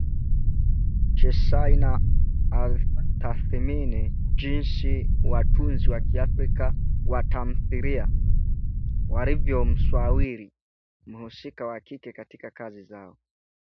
Chesaina alitathmini jinsi watunzi wa Kiafrika wa tamthilia walivyomsawiri mhusika wa kike katika kazi zao